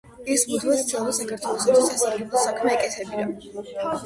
ის მუდმივად ცდილობდა, საქართველოსათვის სასარგებლო საქმე ეკეთებინა.